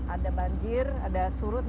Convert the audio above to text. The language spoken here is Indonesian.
ada banjir ada surut